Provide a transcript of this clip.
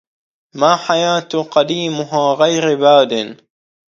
ما حياة قديمها غير باد